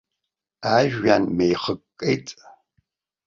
Ажәҩан меихыккеит.